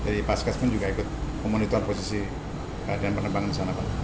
jadi pasca pun juga ikut memonitor posisi keadaan penerbangan di sana pak